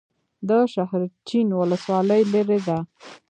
د شاحرچین ولسوالۍ لیرې ده